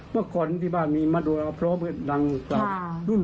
เมื่อก่อนที่บ้านมีมโนราพร้อมเพื่อดังเรา